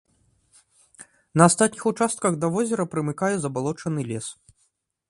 На астатніх участках да возера прымыкае забалочаны лес.